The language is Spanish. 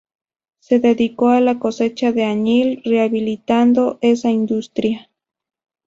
Se dedicó a la cosecha de añil, rehabilitando esa industria.